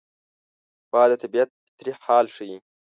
باد د طبیعت فطري حال ښيي